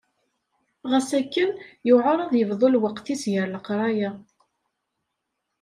Ɣas akken yuɛer ad yebḍu lweqt-is gar leqraya.